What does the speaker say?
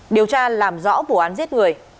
điều tra làm rõ vụ án giết người